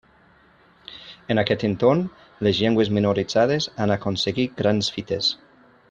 En aquest entorn les llengües minoritzades han aconseguit grans fites.